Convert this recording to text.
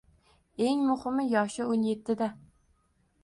Eng muhimi, yoshi o`n ettida